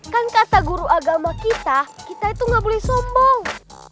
kan kata guru agama kita kita itu gak boleh sombong